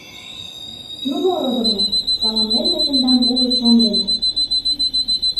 Ну мо, родо-влак, саламлем мый тендам уло чон дене!